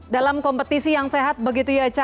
dalam kompetisi yang sehat begitu ya ca